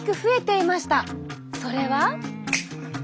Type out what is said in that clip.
それは。